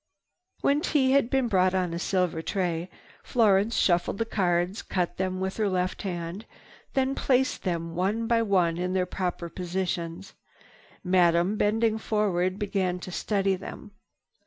When tea had been brought on a silver tray, Florence shuffled the cards, cut them with her left hand, then placed them one by one in their proper positions. Then Madame, bending forward, began to study them.